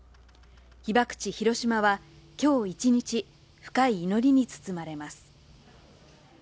被爆地ヒロシマは今日一日、深い祈りに包まれます。